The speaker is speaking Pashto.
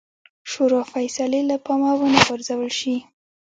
شورا فیصلې له پامه ونه غورځول شي.